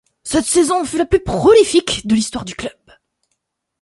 Cette saison fut la plus prolifique de l'histoire du club.